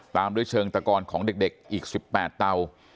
ตามด้วยเชิงตะกอนของเด็กอีก๑๘เตา